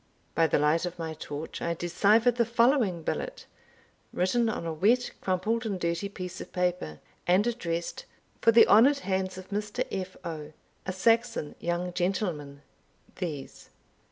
By the light of my torch, I deciphered the following billet, written on a wet, crumpled, and dirty piece of paper, and addressed "For the honoured hands of Mr. F. O., a Saxon young gentleman These."